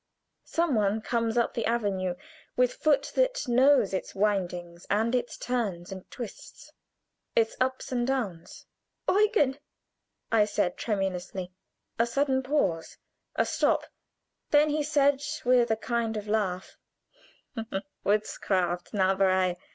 Some one comes up the avenue, with foot that knows its windings, its turns and twists, its ups and downs. "Eugen!" I said, tremulously. A sudden pause a stop; then he said with a kind of laugh: "Witchcraft Zauberei!"